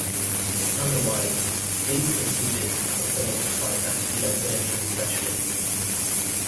Otherwise, these procedures are performed by vascular surgery specialists.